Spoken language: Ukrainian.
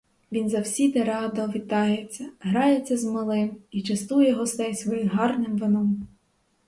Він завсіди радо вітається, грається з малим і частує гостей своїх гарним вином.